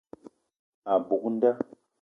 A buk nda.